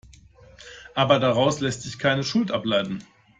Aber daraus lässt sich keine Schuld ableiten.